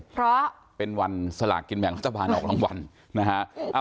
เพราะเป็นวันสลากกินแบ่งรัฐบาลออกรางวัลนะฮะ